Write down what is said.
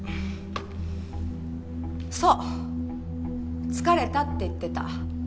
そう疲れたって言ってた。